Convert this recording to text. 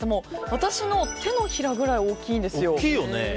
私の手のひらぐらい大きいんですよ。